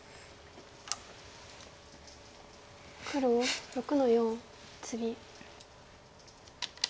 黒６の四ツギ。